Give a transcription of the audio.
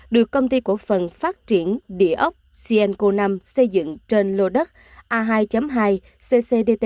được công ty cổ phần phát triển địa ốc sien co năm xây dựng trên lô đất a hai hai ccdt một